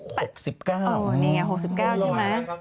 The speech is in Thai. นี่ไง๖๙ใช่ไหม